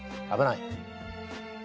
危ない。